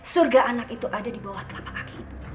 surga anak itu ada dibawah telapak kaki itu